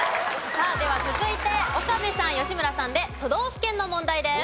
さあでは続いて岡部さん吉村さんで都道府県の問題です。